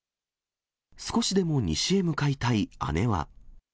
少しでも西へ向かいたい姉は。